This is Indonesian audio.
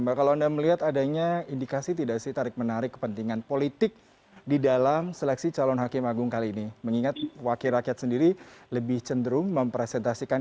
mbak kalau anda melihat adanya indikasi tidak sih tarik menarik kepentingan politik di dalam seleksi calon hakim agung kali ini mengingat wakil rakyat sendiri lebih cenderung mempresentasikan